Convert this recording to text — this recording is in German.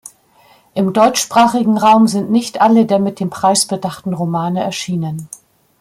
Im deutschsprachigen Raum sind nicht alle der mit dem Preis bedachten Romane erschienen.